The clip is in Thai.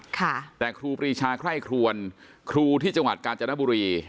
ค่ะแต่ครูปรีชาไคร่ครวนครูที่จังหวัดกาญจนบุรี